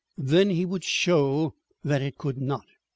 Then he would show that it could not.